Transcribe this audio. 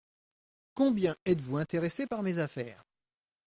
Combien êtes-vous intéressé par mes affaires ?